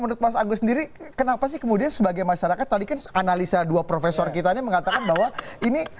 kalau mas agus sendiri kenapa sih kemudian sebagai masyarakat tadi kan analisa dua profesor kita ini